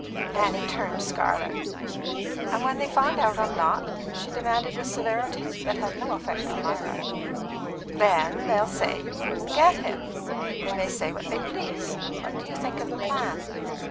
Annie turned scarlet. "And when they find I'm not?" she demanded with severity, that had no effect upon Lyra. "Then they'll say you couldn't get him." "They may say what they please. What do you think of the plan?"